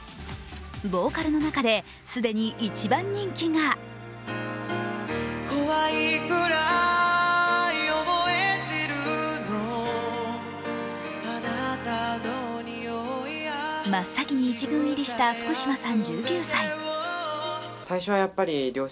ボーカルの中で既に一番人気が真っ先に１軍入りした福嶌さん